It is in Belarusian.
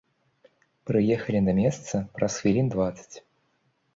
Прыехалі на месца праз хвілін дваццаць.